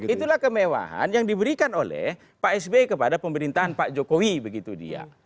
itulah kemewahan yang diberikan oleh pak sby kepada pemerintahan pak jokowi begitu dia